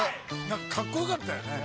何かかっこよかったよね。